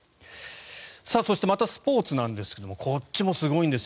そしてまたスポーツなんですがこっちもすごいんです。